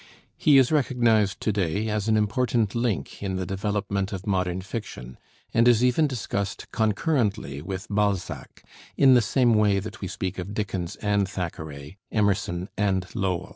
He is recognized to day as an important link in the development of modern fiction, and is even discussed concurrently with Balzac, in the same way that we speak of Dickens and Thackeray, Emerson and Lowell.